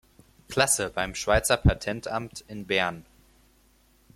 Klasse" beim Schweizer Patentamt in Bern.